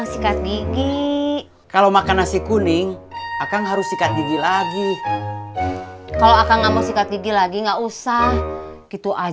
saya mau berangkat